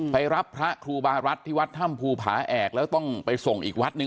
ไปรับพระครูบารัฐที่วัดถ้ำภูผาแอกแล้วต้องไปส่งอีกวัดหนึ่ง